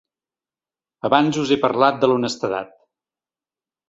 Abans us he parlat de l’honestedat.